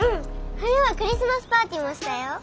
冬はクリスマスパーティーもしたよ。